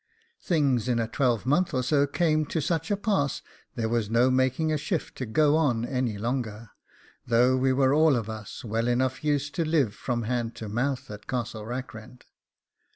Things in a twelvemonth or so came to such a pass there was no making a shift to go on any longer, though we were all of us well enough used to live from hand to mouth at Castle Rackrent.